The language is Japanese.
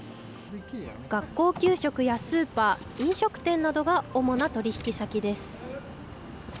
学校給食やスーパー、飲食店などが主な取り引き先です。